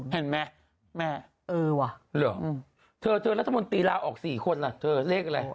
เห็นไหมแม่เออว่ะเหรอเธอเธอรัฐมนตรีลาออก๔คนล่ะเธอเลขอะไร